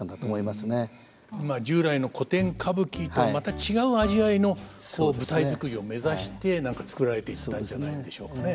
まあ従来の古典歌舞伎とまた違う味わいの舞台作りを目指して何か作られていったんじゃないんでしょうかね。